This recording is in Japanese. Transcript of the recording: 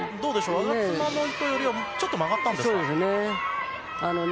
我妻の意図よりはちょっと曲がったんですかね。